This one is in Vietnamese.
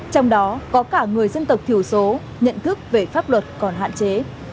trong đó có cả người dân tộc thiểu số nhận thức về pháp luật còn hạn chế